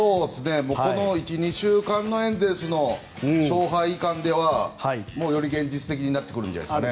この１２週間のエンゼルスの勝敗感ではもう、より現実的になってくるんじゃないですかね。